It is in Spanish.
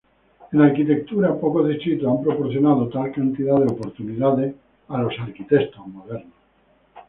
En arquitectura pocos distritos han proporcionado tal cantidad de oportunidades a los arquitectos modernos.